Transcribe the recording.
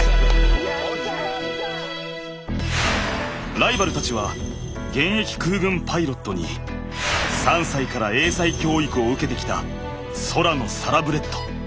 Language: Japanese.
ライバルたちは現役空軍パイロットに３歳から英才教育を受けてきた空のサラブレッド。